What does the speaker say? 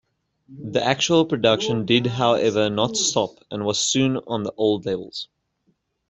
The actual production did however not stop and was soon on the old levels.